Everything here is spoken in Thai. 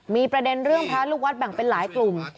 มีประเด็นเรื่องพระลูกวัดแบ่งเป็นหลายกลุ่ม